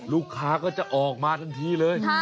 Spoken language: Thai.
ลูกค้าก็จะออกมาทันทีเลย